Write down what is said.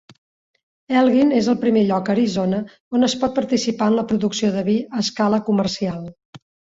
Elgin és el primer lloc a Arizona on es pot participar en la producció de vi a escala comercial.